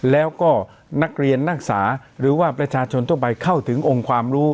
แล้วก็นักเรียนนักศึกษาหรือว่าประชาชนทั่วไปเข้าถึงองค์ความรู้